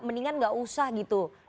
mendingan enggak usah gitu